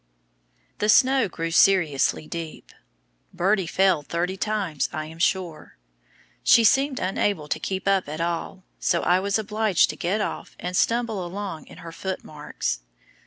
The snow grew seriously deep. Birdie fell thirty times, I am sure. She seemed unable to keep up at all, so I was obliged to get off and stumble along in her footmarks.